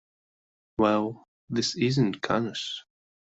Well, this isn't Cannes.